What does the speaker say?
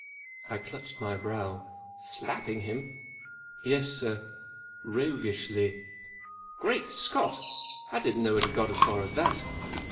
I clutched my brow. " Slapping him ?" 44 Yes, sir. Roguishly." " Great Scott ! I didn't know it had got as far as that.